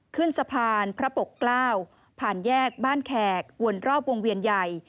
ขึ้นสะพานพระปกเกล้าผ่านแยกบ้านแขกวนรอบวงเวียนใหญ่